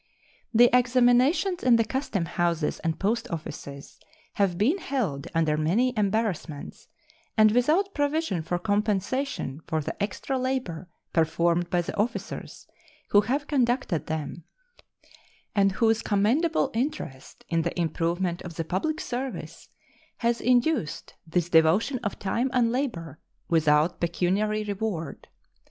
The examinations in the custom houses and post offices have been held under many embarrassments and without provision for compensation for the extra labor performed by the officers who have conducted them, and whose commendable interest in the improvement of the public service has induced this devotion of time and labor without pecuniary reward.